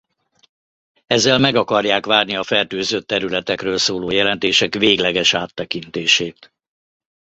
Ezzel meg akarják várni a fertőzött területekről szóló jelentések végleges áttekintését.